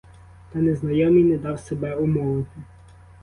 Та незнайомий не дав себе умовити.